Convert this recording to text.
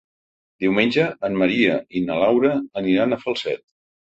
Diumenge en Maria i na Laura aniran a Falset.